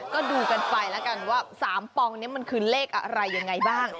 ก็ดูกันไปแล้วกันว่า๓ปองนี้มันคือเลขอะไรยังไงบ้าง